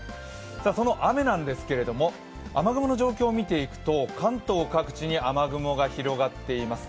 その雨なんですけれども、雨雲の状況を見ていくと関東各地に雨雲が広がっています。